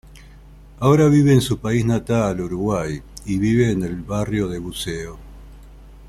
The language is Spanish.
Ahora vive en su país natal Uruguay y vive en el barrio de buceo.